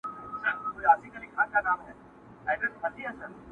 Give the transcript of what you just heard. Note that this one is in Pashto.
ته کامیاب یې تا تېر کړی تر هرڅه سخت امتحان دی،